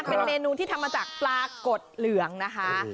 เป็นเมนูที่ทำมาจากปลากดเหลืองนะคะ